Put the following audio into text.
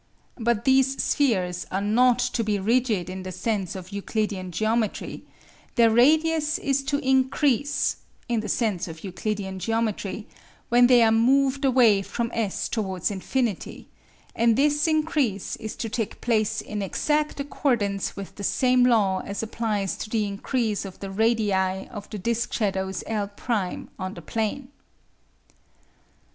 But these spheres are not to be rigid in the sense of Euclidean geometry; their radius is to increase (in the sense of Euclidean geometry) when they are moved away from S towards infinity, and this increase is to take place in exact accordance with the same law as applies to the increase of the radii of the disc shadows L' on the plane.